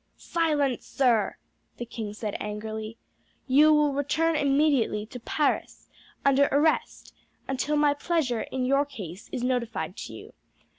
"Silence, sir!" the king said angrily. "You will return immediately to Paris, under arrest, until my pleasure in your case is notified to you.